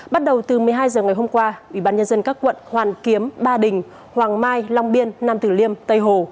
bắt đầu từ một mươi hai h ngày hôm qua ubnd các quận hoàn kiếm ba đình hoàng mai long biên nam tử liêm tây hồ